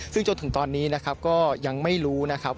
ซึ่งจนถึงตอนนี้นะครับก็ยังไม่รู้นะครับ